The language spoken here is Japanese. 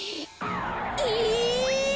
え！